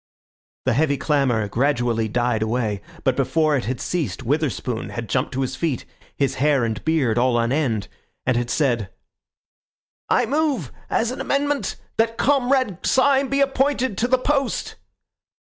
'" The heavy clamour gradually died away, but before it had ceased Witherspoon had jumped to his feet, his hair and beard all on end, and had said— "I move, as an amendment, that Comrade Syme be appointed to the post."